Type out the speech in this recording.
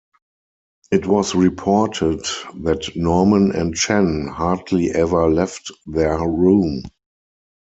It was reported that Norman and Chen "hardly ever left their room".